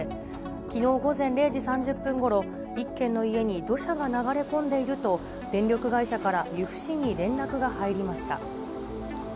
きのう午前０時３０分ごろ、１軒の家に土砂が流れ込んでいると、電力会社から由布市に連絡が入りました。